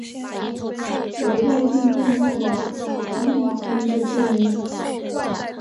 为外颈动脉的两条终末分支之一。